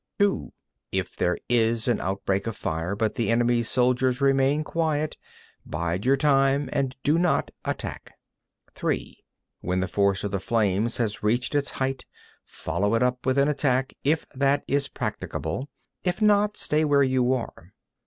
7. (2) If there is an outbreak of fire, but the enemy's soldiers remain quiet, bide your time and do not attack. 8. (3) When the force of the flames has reached its height, follow it up with an attack, if that is practicable; if not, stay where you are.